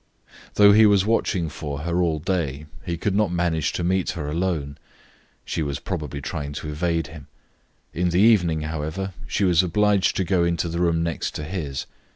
Though he was watching for her all day he could not manage to meet her alone. She was probably trying to evade him. In the evening, however, she was obliged to go into the room next to his.